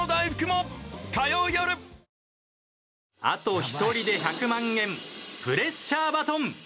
あと１人で１００万円プレッシャーバトン。